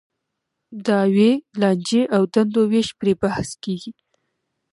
دعاوې، لانجې او دندو وېش پرې بحث کېږي.